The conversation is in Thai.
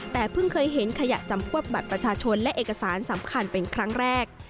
แต่เพิ่งเคยเห็นขยะจำพวกบัตรประชาชนและเอกสารสำคัญเป็นครั้งแรก